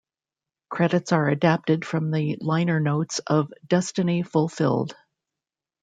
Credits are adapted from the liner notes of "Destiny Fulfilled".